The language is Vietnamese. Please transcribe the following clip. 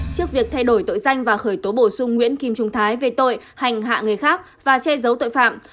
trước việc thay đổi tội danh và khởi tố bổ sung nguyễn kim trung thái về tội hành hạ người khác và che giấu tội phạm